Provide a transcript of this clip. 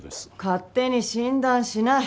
勝手に診断しない。